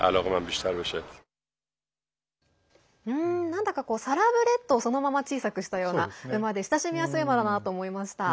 なんだか、サラブレッドをそのまま小さくしたような馬で親しみやすい馬だなと思いました。